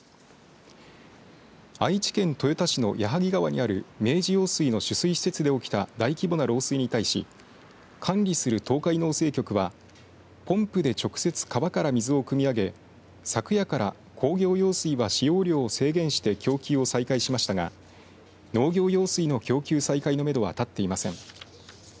愛知県豊田市の矢作川にある明治用水の取水施設で起きた大規模な漏水に対し管理する東海農政局はポンプで直接川から水をくみ上げ昨夜から工業用水は使用量を制限して供給を再開しましたが農業用水の供給再開のめどは立っていません。